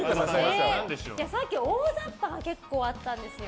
さっき、大ざっぱが結構あったんですよ。